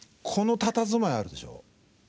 このたたずまいあるでしょ？